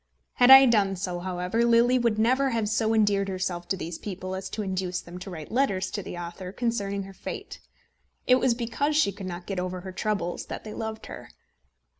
Had I done so, however, Lily would never have so endeared herself to these people as to induce them to write letters to the author concerning her fate. It was because she could not get over her troubles that they loved her.